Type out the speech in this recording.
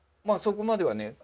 まあそこまではね。